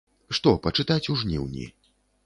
Што пачытаць у жніўні?